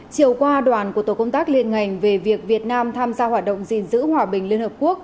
chiều qua đoàn của tổ công tác liên ngành về việc việt nam tham gia hoạt động gìn giữ hòa bình liên hợp quốc